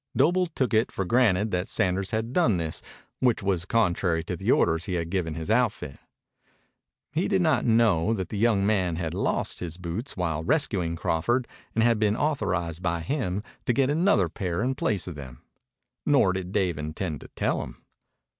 Doble took it for granted that Sanders had done this, which was contrary to the orders he had given his outfit. He did not know the young man had lost his boots while rescuing Crawford and had been authorized by him to get another pair in place of them. Nor did Dave intend to tell him.